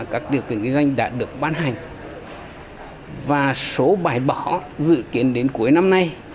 các điều kiện doanh nghiệp đã được ban hành và số bài bỏ dự kiến đến cuối năm nay